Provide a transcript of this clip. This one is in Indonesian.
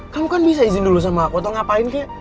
kamu kan bisa izin dulu sama aku atau ngapain